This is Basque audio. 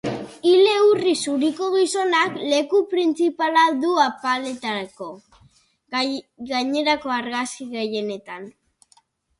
Ile urri zuriko gizonak leku printzipala du apaletako gainerako argazki gehienetan.